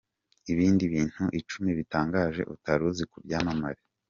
Ibindi bintu Icumi bitangaje utari uzi ku byamamare